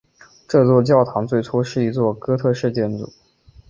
这座教堂最初是一座哥特式建筑。